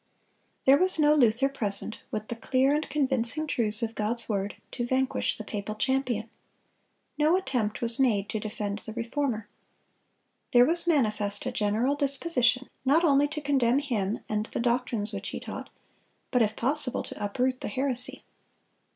There was no Luther present, with the clear and convincing truths of God's word, to vanquish the papal champion. No attempt was made to defend the Reformer. There was manifest a general disposition not only to condemn him and the doctrines which he taught, but if possible to uproot the heresy.